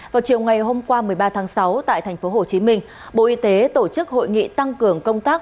vào chiều ngày hôm qua một mươi ba tháng sáu tại tp hcm bộ y tế tổ chức hội nghị tăng cường công tác